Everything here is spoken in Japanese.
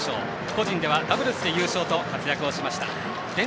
個人ではダブルス優勝と活躍しました。